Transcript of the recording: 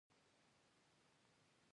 په کابل کې به ډز وانه وریږي.